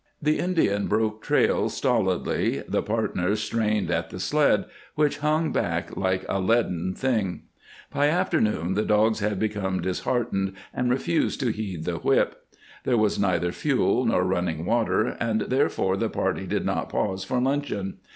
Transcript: The Indian broke trail stolidly; the partners strained at the sled, which hung back like a leaden thing. By afternoon the dogs had become disheartened and refused to heed the whip. There was neither fuel nor running water, and therefore the party did not pause for luncheon.